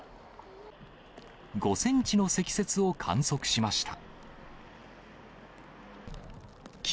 ５センチの積雪を観測しました。